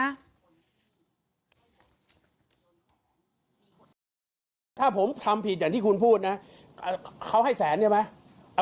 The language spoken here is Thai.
ถ้าผมทำผิดอย่างที่คุณพูดนะเขาให้แสนใช่ไหม